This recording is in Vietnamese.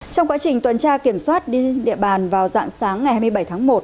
trong quá trình tuần tra kiểm soát đi địa bàn vào dạng sáng ngày hai mươi bảy tháng một